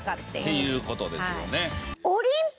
っていう事ですよね。